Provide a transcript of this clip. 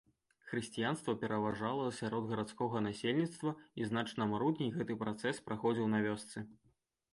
Хрысціянства пераважала сярод гарадскога насельніцтва, і значна марудней гэты працэс праходзіў на вёсцы.